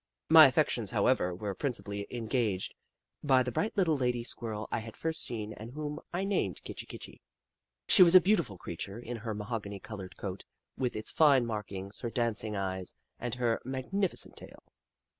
My affections, however, were prin cipally engaged by the bright little lady Squirrel I had first seen and whom I named *' Kitchi Kitchi." She was a beautiful crea ture, in her mahogany coloured coat with its fine markings, her dancing eyes, and her mag nificent tail.